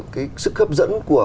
cái sức hấp dẫn của